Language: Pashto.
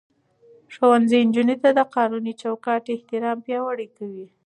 ښوونځی نجونې د قانوني چوکاټ احترام پياوړې کوي.